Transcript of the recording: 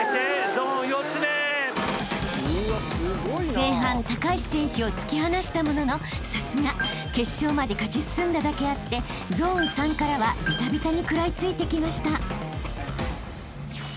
［前半高橋選手を突き放したもののさすが決勝まで勝ち進んだだけあってゾーン３からはビタビタに食らい付いてきました］